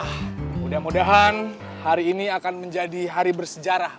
mudah mudahan hari ini akan menjadi hari bersejarah